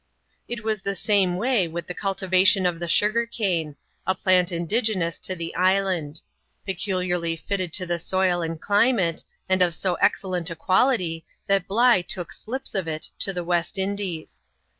It was the same way with the cultivation of the sugar cane,, a plant indigenous to the island ; peculiarly fitted to the soil and climate, and of so excellent a quality, that Bligh took slips of it to the West Indies.